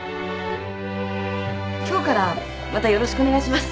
今日からまたよろしくお願いします。